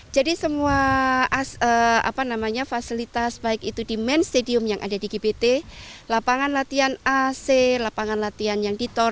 jadi semua fasilitas baik itu di main stadium yang ada di gbt lapangan latihan ac lapangan latihan yang di tor